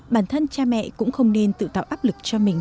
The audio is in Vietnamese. bản thân cha mẹ cũng không nên tự tạo áp lực cho mình